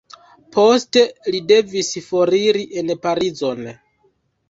Poste li devis foriri en Parizon.